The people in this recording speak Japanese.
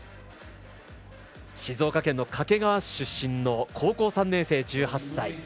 静岡県の掛川市出身の高校３年生、１８歳。